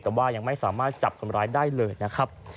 แต่ว่ายังไม่สามารถจับคนร้ายได้เลยนะครับ